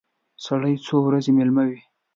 سړی څو ورځې مېلمه وي.